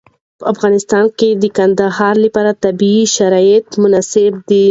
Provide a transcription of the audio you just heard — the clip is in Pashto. په افغانستان کې د کندهار لپاره طبیعي شرایط مناسب دي.